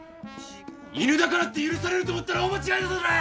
犬だからって許されると思ったら大間違いだぞこらぁ！